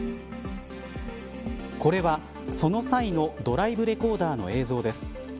これは、その際のドライブレコーダーの映像です。